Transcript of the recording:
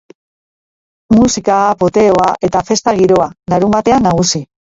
Musika, poteoa eta festa giroa, larunbatean nagusi!